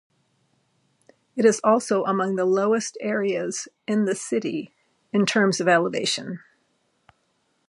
It is also among the lowest areas in the city, in terms of elevation.